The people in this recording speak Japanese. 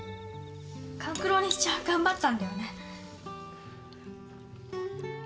勘九郎にしちゃ頑張ったんだよね。